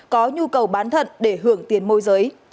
có nhu cầu bán thận để hưởng tiền môi giới